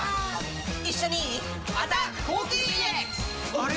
あれ？